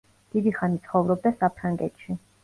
დიდი ხანი ცხოვრობდა საფრანგეთში.